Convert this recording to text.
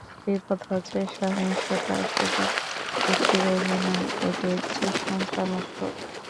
বিপদ হচ্ছে, সহিংসতা শুধু একটি রোগই নয়, এটি একটি সংক্রামক রোগ।